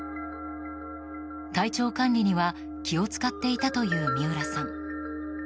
体調管理には気を使っていたという三浦さん。